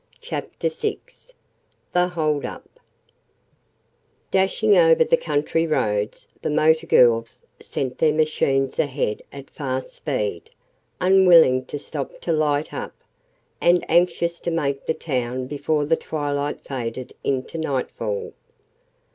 CHAPTER VI THE HOLD UP Dashing over the country roads, the motor girls sent their machines ahead at fast speed, unwilling to stop to light up, and anxious to make the town before the twilight faded into nightfall.